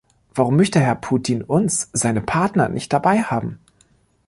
Warum möchte Herr Putin uns, seine Partner, nicht dabei haben?